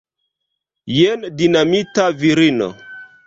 Jen dinamita virino!